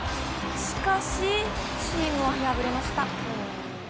しかし、チームは敗れました。